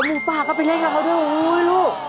หมูป่าก็ไปเล่นกับเขาด้วยอุ้ยลูก